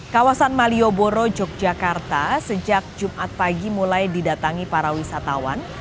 kawasan malioboro yogyakarta sejak jumat pagi mulai didatangi para wisatawan